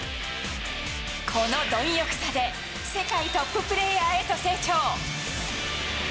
この貪欲さで、世界トッププレーヤーへと成長。